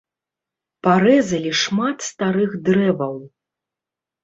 Парэзалі шмат старых дрэваў.